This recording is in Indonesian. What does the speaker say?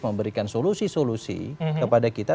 memberikan solusi solusi kepada kita